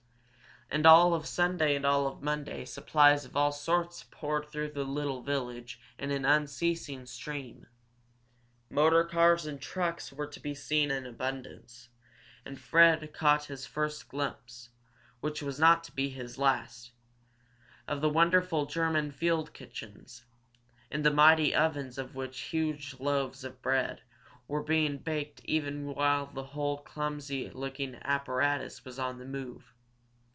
And all of Sunday and all of Monday supplies of all sorts poured through the little village in an unceasing stream. Motor cars and trucks were to be seen in abundance, and Fred caught his first glimpse, which was not to be his last, of the wonderful German field kitchens, in the mighty ovens of which huge loaves of bread were being baked even while the whole clumsy looking apparatus was on the move.